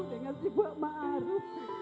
dengan si buah ma'ruf